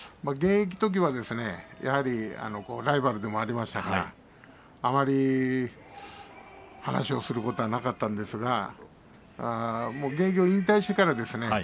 現役のころはライバルでもありましたからあまり話をすることもなかったんですが現役を引退してからですね